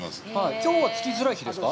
きょうはつきづらい日ですか。